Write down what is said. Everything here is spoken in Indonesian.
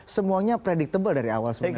semuanya predictable dari awal sebenarnya